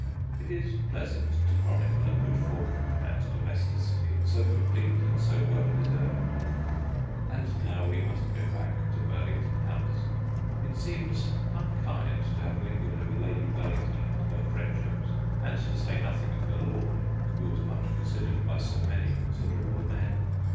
It is pleasant to chronicle a good fortune and domesticity so complete and so well deserved. And now we must go back to Burlington House. It seems unkind to have lingered over Lady Burlington and her friendships and to say nothing of her lord, who was much considered by so many considerable men.